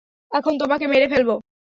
এখন তোমাকে মেরে ফেলব।